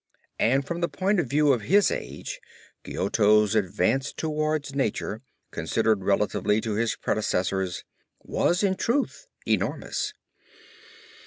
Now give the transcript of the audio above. And from the point of view of his age, Giotto's advance towards nature, considered relatively to his predecessors, was in truth enormous.